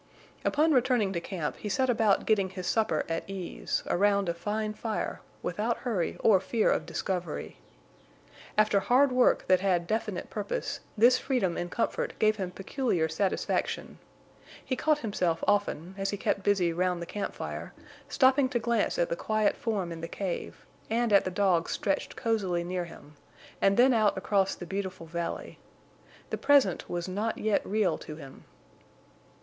Upon returning to camp he set about getting his supper at ease, around a fine fire, without hurry or fear of discovery. After hard work that had definite purpose, this freedom and comfort gave him peculiar satisfaction. He caught himself often, as he kept busy round the camp fire, stopping to glance at the quiet form in the cave, and at the dogs stretched cozily near him, and then out across the beautiful valley. The present was not yet real to him.